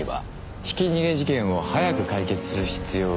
ひき逃げ事件を早く解決する必要がある。